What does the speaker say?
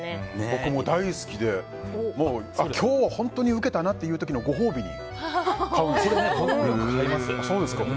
僕も大好きで、今日本当にウケたなというご褒美に買うんですよ。